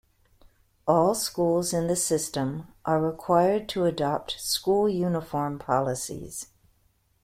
All schools in the system are required to adopt school uniform policies.